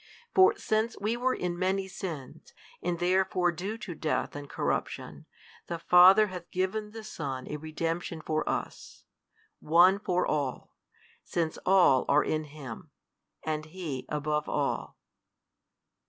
For since we were in many sins, and therefore due to death and corruption, the Father hath given the Son a redemption for us, One for all, since all are in Him, and He above all.